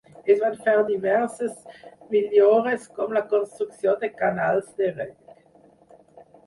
Es van fer diverses millores com la construcció de canals de reg.